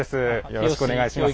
よろしくお願いします。